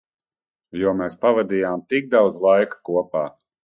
Jo mēs pavadījām tik daudz laika kopā.